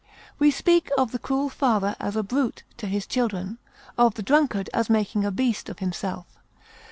We speak of the cruel father as a brute to his children; of the drunkard as making a beast of himself.